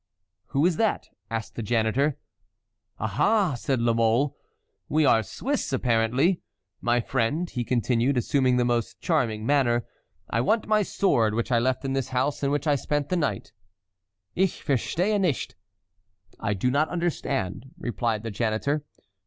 (Who is that?) asked the janitor. "Ah! ah!" said La Mole, "we are Swiss, apparently." "My friend," he continued, assuming the most charming manner, "I want my sword which I left in this house in which I spent the night." "Ich verstehe nicht," (I do not understand,) replied the janitor.